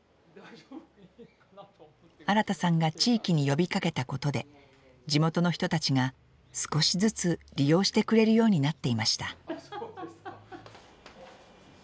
新さんが地域に呼びかけたことで地元の人たちが少しずつ利用してくれるようになっていました。